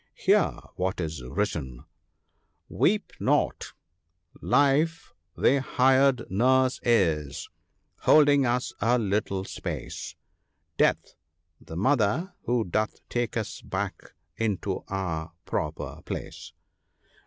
Hear what is written —" Weep not ! Life the hired nurse is, holding us a little space ; Death, the mother who doth take us back into our proper place.